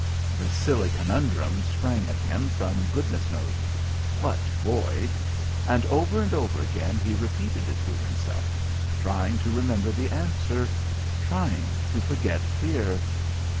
The silly conundrum sprang at him from goodness knows what void and over and over again he repeated it to himself, trying to remember the answer, trying to forget fear....